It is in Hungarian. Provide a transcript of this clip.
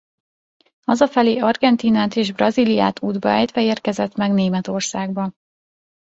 Hazafelé Argentínát és Brazíliát útba ejtve érkezett meg Németországba.